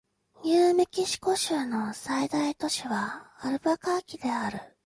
ニューメキシコ州の最大都市はアルバカーキである